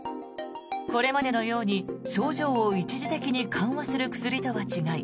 これまでのように症状を一時的に緩和する薬とは違い